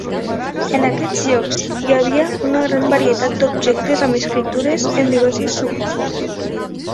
En aquests llocs hi havia una gran varietat d'objectes amb escriptures en diversos suports.